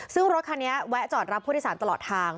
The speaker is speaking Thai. ซึ่งรถคันนี้แวะจอดรับผู้โดยสารตลอดทาง